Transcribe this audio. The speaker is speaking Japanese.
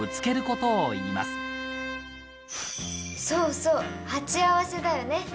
そうそう「鉢合わせ」だよね。